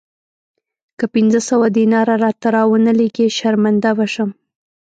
که پنځه سوه دیناره راته را ونه لېږې شرمنده به شم.